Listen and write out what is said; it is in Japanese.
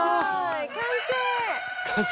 完成！